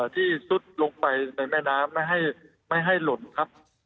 ซุดลงไปในแม่น้ำไม่ให้หล่นครับ